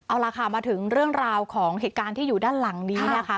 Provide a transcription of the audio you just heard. เอาล่ะค่ะมาถึงเรื่องราวของเหตุการณ์ที่อยู่ด้านหลังนี้นะคะ